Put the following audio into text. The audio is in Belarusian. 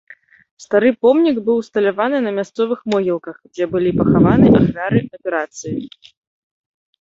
Стары помнік быў усталяваны на мясцовых могілках, дзе былі пахаваны ахвяры аперацыі.